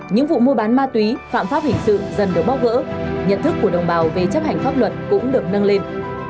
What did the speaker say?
những vụ mua bán ma túy phạm pháp hình sự dần được bóc gỡ nhận thức của đồng bào về chấp hành pháp luật cũng được nâng lên